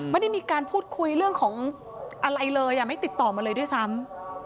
ไม่ได้มีการพูดคุยเรื่องของอะไรเลยไม่ติดต่อมาเลยด้วยซ้ำ